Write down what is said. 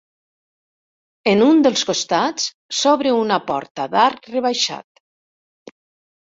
En un dels costats s'obre una porta d'arc rebaixat.